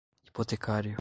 hipotecário